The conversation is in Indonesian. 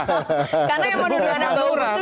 karena yang menuduh anak bau masuk juga hanura